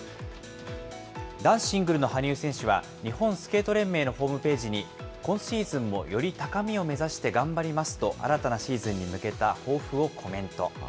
男子シングルの羽生選手は、日本スケート連盟のホームページに、今シーズンもより高みを目指して頑張りますと、新たなシーズンに向けた抱負をコメント。